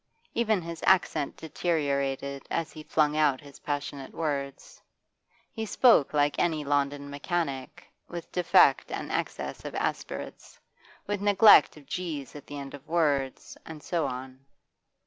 Even his accent deteriorated as he flung out his passionate words; he spoke like any London mechanic, with defect and excess of aspirates, with neglect of g's at the end of words, and so on.